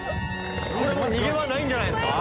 これもう逃げ場ないんじゃないですか？